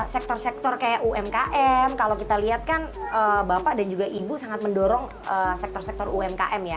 sektor sektor kayak umkm kalau kita lihat kan bapak dan juga ibu sangat mendorong sektor sektor umkm ya